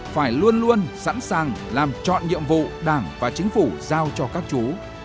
phải luôn luôn sẵn sàng làm chọn nhiệm vụ đảng và chính phủ giao cho các chú